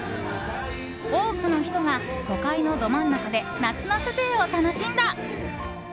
多くの人が、都会のど真ん中で夏の風情を楽しんだ。